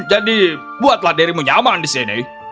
jadi buatlah dirimu nyaman di sini